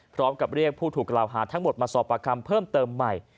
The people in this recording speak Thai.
พร้อมกับเรียกผู้ถูกกล่าวหาทั้งหมดมาสอบประคำเพิ่มเติมใหม่